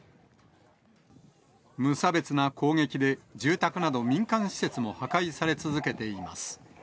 無差別な攻撃で、住宅など民間施設も破壊され続けています。